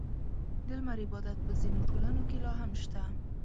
• د لمر عبادت په ځینو ټولنو کې لا هم شته.